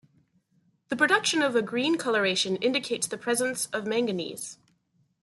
The production of a green coloration indicates the presence of Mn.